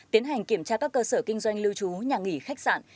tiến hành kiểm tra các cơ sở kinh doanh lưu trú nhà nghỉ khách sạn